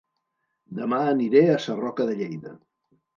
Dema aniré a Sarroca de Lleida